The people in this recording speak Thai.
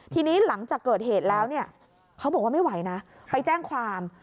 ทีนี้หลังจากเกิดเหตุแล้วเนี่ยเขาบอกว่าไม่ไหวนะไปแจ้งความ